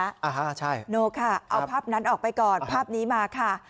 อ่าฮะใช่โน่ค่ะเอาภาพนั้นออกไปก่อนภาพนี้มาค่ะ